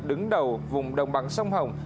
đứng đầu vùng đồng bằng sông hồng